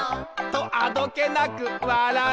「とあどけなく笑う」